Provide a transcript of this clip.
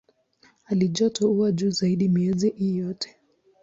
Halijoto huwa juu zaidi miezi hii yote.